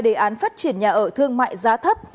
đề án phát triển nhà ở thương mại giá thấp